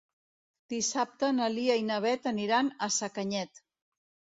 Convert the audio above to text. Dissabte na Lia i na Beth aniran a Sacanyet.